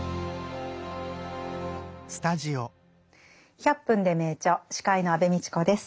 「１００分ｄｅ名著」司会の安部みちこです。